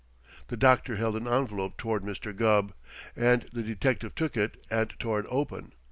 The doctor held an envelope toward Mr. Gubb, and the detective took it and tore it open.